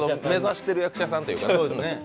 目指している役者さんというかね。